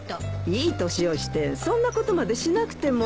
いい年をしてそんなことまでしなくても。